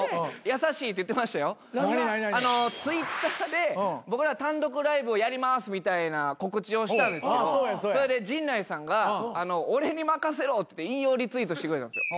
Ｔｗｉｔｔｅｒで僕ら単独ライブをやりますみたいな告知をしたんですけどそれで陣内さんが俺に任せろって引用リツイートしてくれたんですよ。